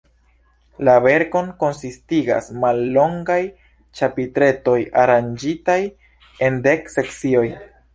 La verkon konsistigas mallongaj ĉapitretoj, aranĝitaj en dek sekcioj.